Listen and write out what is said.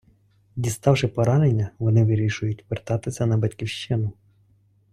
Діставши поранення, вони вирішують вертатися на батьківщину.